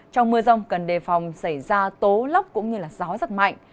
trong mưa rông cần đề phòng xảy ra tố lốc cũng như gió rất mạnh